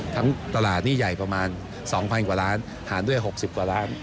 ตลาดนี่ใหญ่ประมาณ๒๐๐กว่าล้านหารด้วย๖๐กว่าล้าน